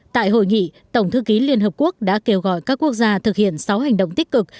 tại hội nghị tổng thư ký liên hợp quốc đã kêu gọi các quốc gia thực hiện sáu hành động tích cực